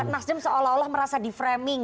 nasdem seolah olah merasa deframing